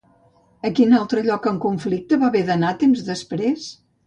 A quin altre lloc en conflicte va haver d'anar temps després?